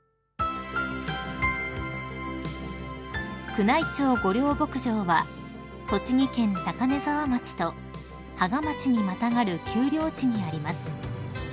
［宮内庁御料牧場は栃木県高根沢町と芳賀町にまたがる丘陵地にあります］